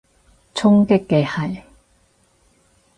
衝擊嘅係？